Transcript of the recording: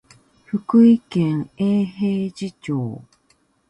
福井県永平寺町